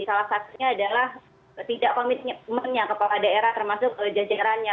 salah satunya adalah ketidakkomitmennya kepala daerah termasuk jajarannya